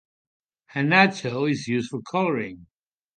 Annatto is used for coloring.